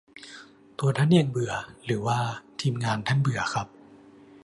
ตัวท่านเองเบื่อ หรือว่า ทีมงาน ท่านเบื่อครับ ?